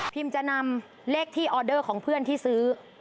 จะนำเลขที่ออเดอร์ของเพื่อนที่ซื้อ